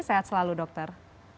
sehat selalu dokter